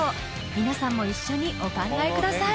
みなさんも一緒にお考えください